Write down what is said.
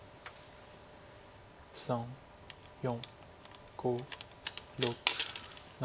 ３４５６７。